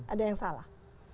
ada yang salah